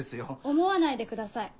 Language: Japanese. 思わないでください。